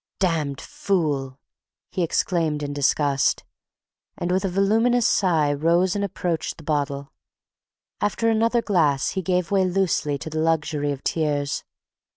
"Damned fool!" he exclaimed in disgust, and with a voluminous sigh rose and approached the bottle. After another glass he gave way loosely to the luxury of tears.